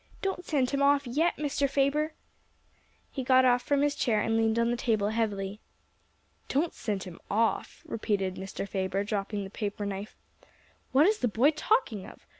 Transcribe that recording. Don't send him off yet, Mr. Faber." He got off from his chair, and leaned on the table heavily. "Don't send him off?" repeated Mr. Faber, dropping the paper knife, "what is the boy talking of!